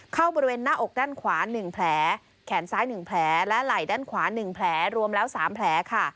เข้าบริเวณหน้าอกด้านขวาหนึ่งแผลแขนซ้ายหนึ่งแผลและไหล่ด้านขวาหนึ่งแผลรวมแล้วสามแผลค่ะ